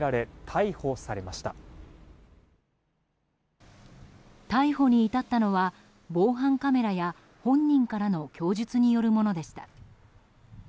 逮捕に至ったのは防犯カメラや本人からの供述によるものでした。